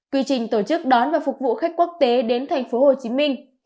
quy trình tổ chức đón và phục vụ khách quốc tế đến thành phố hồ chí minh